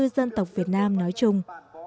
năm mươi bốn dân tộc việt nam nói chung